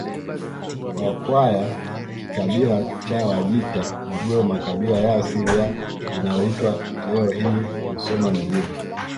Wakwaya kikabila cha Wajita ndiyo makabila ya asili ya inayoitwa leo hii Musoma mjini